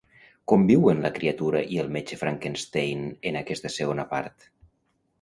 Com viuen la criatura i el metge Frankenstein en aquesta segona part?